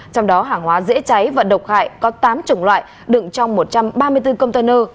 trong đó hàng hóa dễ cháy và độc hại có tám chủng loại đựng trong một trăm ba mươi bốn container